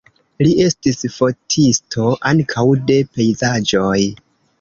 Li estis fotisto ankaŭ de pejzaĝoj.